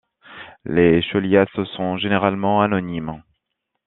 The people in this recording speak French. Les scholiastes sont généralement anonymes.